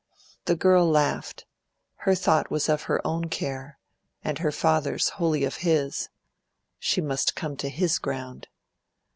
The girl laughed. Her thought was of her own care, and her father's wholly of his. She must come to his ground.